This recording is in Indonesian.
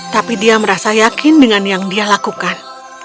tapi dia merasa yakin dengan yang dia lakukan